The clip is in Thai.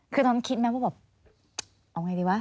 คือน้องคิดไหมว่าเอาไงดีวะ